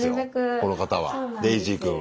この方はデイジー君は。